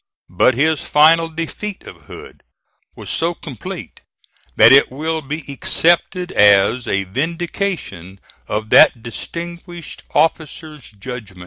But his final defeat of Hood was so complete, that it will be accepted as a vindication of that distinguished officer's judgment.